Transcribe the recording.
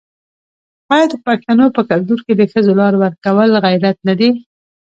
آیا د پښتنو په کلتور کې د ښځو لار ورکول غیرت نه دی؟